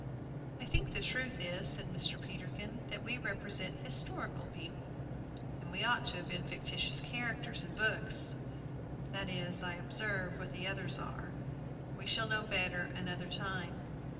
"I think the truth is," said Mr. Peterkin, "that we represent historical people, and we ought to have been fictitious characters in books. That is, I observe, what the others are. We shall know better another time."